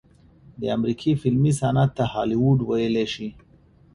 د امريکې فلمي صنعت ته هالي وډ وئيلے شي